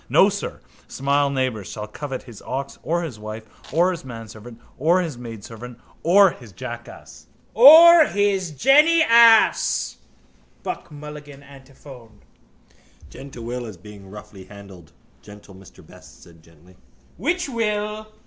No sir smile neighbour shall covet his ox or his wife or his manservant or his maidservant or his jackass. —Or his jennyass, Buck Mulligan antiphoned. —Gentle Will is being roughly handled, gentle Mr Best said gently. —Which will?